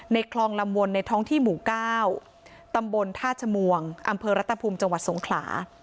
คลองลำวนในท้องที่หมู่๙ตำบลท่าชมวงอำเภอรัตภูมิจังหวัดสงขลา